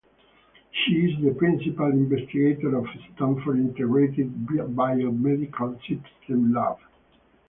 She is the principal investigator of Stanford Integrated Biomedical Systems Lab.